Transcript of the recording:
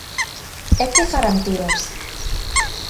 ¿E que garantías?